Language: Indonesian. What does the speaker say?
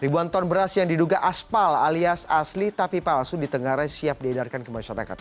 ribuan ton beras yang diduga aspal alias asli tapi palsu di tengah rai siap diedarkan ke masyarakat